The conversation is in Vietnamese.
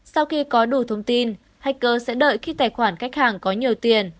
sau khi có đủ thông tin hacker sẽ đợi khi tài khoản khách hàng có nhiều tiền